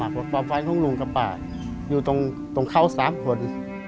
ว่าปลอมฟ้านของลุงกับป่าอยู่ตรงเข้าสามคน